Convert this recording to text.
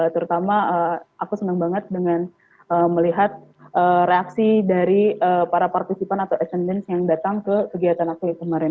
terutama aku senang banget dengan melihat reaksi dari para partisipan atau action yang datang ke kegiatan aku kemarin